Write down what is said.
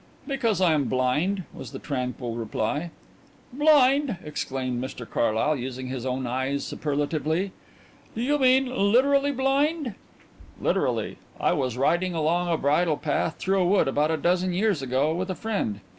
"Because I am blind," was the tranquil reply. "Blind!" exclaimed Mr Carlyle, using his own eyes superlatively. "Do you mean literally blind?" "Literally.... I was riding along a bridle path through a wood about a dozen years ago with a friend.